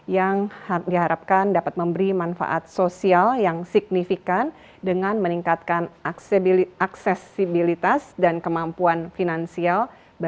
yang diharapkan dapat memberi manfaat sosial yang signifikan dengan meningkatkan aksesibilitas dan kemampuan finansial